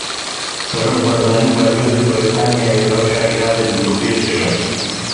Serok Barzanî û Balyozê Brîtanyayê rewşa Iraqê gotûbêj kirin.